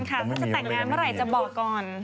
ถ้าจะแต่งงานเมื่อไหร่จะบอกก่อน